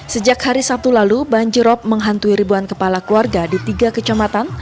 sejak hari sabtu lalu banjirop menghantui ribuan kepala keluarga di tiga kecamatan